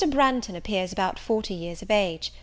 Branghton appears about forty years of age.